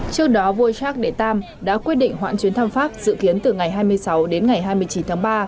trước đó vua charles iii đã quyết định hoãn chuyến thăm pháp dự kiến từ ngày hai mươi sáu đến ngày hai mươi chín tháng ba